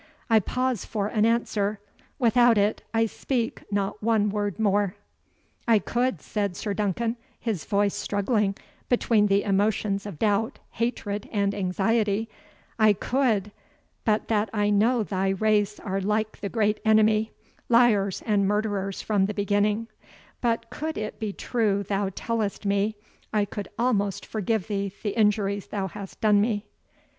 I pause for an answer without it, I speak not one word more. "I could," said Sir Duncan, his voice struggling between the emotions of doubt, hatred, and anxiety "I could but that I know thy race are like the Great Enemy, liars and murderers from the beginning but could it be true thou tellest me, I could almost forgive thee the injuries thou hast done me."